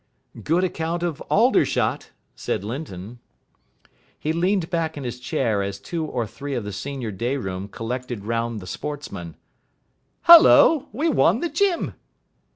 "Good account of Aldershot," said Linton. He leaned back in his chair as two or three of the senior day room collected round the Sportsman. "Hullo! We won the gym.!"